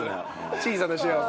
小さな幸せ？